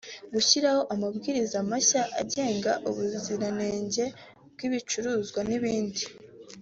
gushyiraho amabwiriza mashya agenga ubuziranenge bw’ibicuruzwa n’ibindi